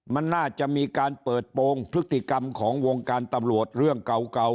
มันน่าจะมีการเปิดโปรงพฤติกรรมของวงการตำรวจเรื่องเก่า